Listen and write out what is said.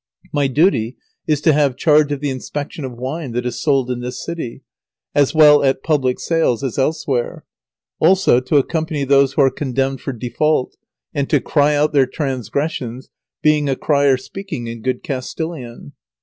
My duty is to have charge of the inspection of wine that is sold in this city, as well at public sales as elsewhere, also to accompany those who are condemned for default, and to cry out their transgressions, being a crier speaking in good Castilian.